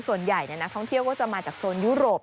ส่วนใหญ่นักท่องเที่ยวก็จะมาจากโซนยุโรป